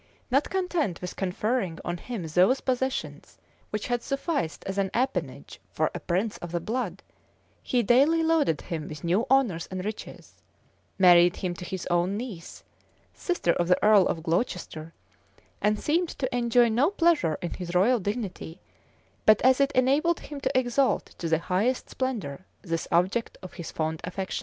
[*] Not content with conferring on him those possessions, which had sufficed as an appanage for a prince of the blood, he daily loaded him with new honors and riches; married him to his own niece, sister of the earl of Glocester; and seemed to enjoy no pleasure in his royal dignity, but as it enabled him to exalt to the highest splendor this object of his fond affections.